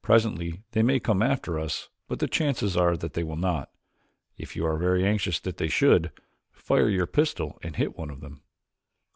Presently they may come after us but the chances are that they will not. If you are very anxious that they should, fire your pistol and hit one of them."